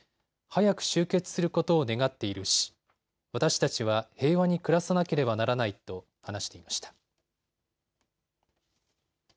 早く終結することを願っているし私たちは平和に暮らさなければならないと話していました。